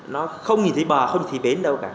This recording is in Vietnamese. nó không nhìn thấy bờ không nhìn thấy bến đâu cả